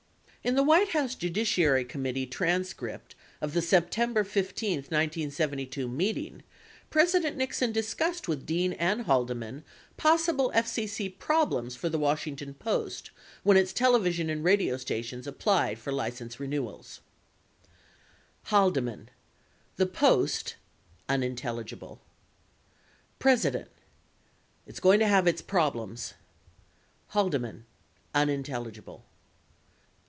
82 In the House Judiciary Committee transcript of the September 15, 1972 meeting, President Nixon discussed with Dean and Haldeman possible FCC problems for the Washington Post when its television and radio stations applied for license renewals : Haldeman. The Post [unintelligible] President. It's going to have its problems Haldeman. [unintelligible]